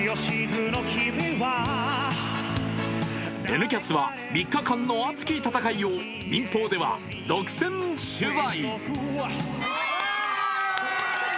「Ｎキャス」は３日間の熱き戦いを民放では独占取材。